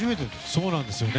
そうなんですよね。